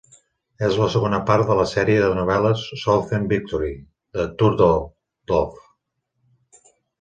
És la segona part de la sèrie de novel·les "Southern Victory" de Turtledove.